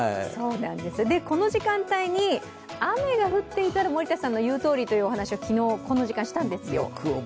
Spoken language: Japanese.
この時間帯に雨が降っていたら森田さんの言うとおりというお話を昨日、この時間したんですよ。